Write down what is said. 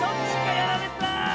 やられた。